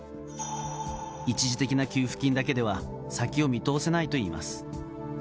一時的な給付金だけでは、先を見通せないといいます。